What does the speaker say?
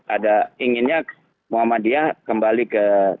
ada inginnya muhammadiyah kembali ke